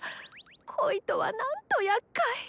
恋とはなんとやっかい！